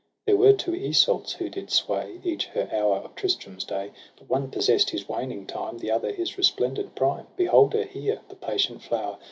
— There were two Iseults who did sway Each her hour of Tristram's day j But one possess'd his waning time, The other his resplendent prime. Behold her here, the patient flower.